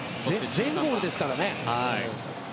全ゴールですからね。